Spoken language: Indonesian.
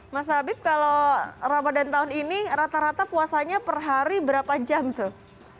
mas habib kalau ramadhan tahun ini rata rata puasanya per hari berapa jam tuh